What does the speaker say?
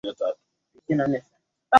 mtangazaji hatakiwi kukosea jina la mgeni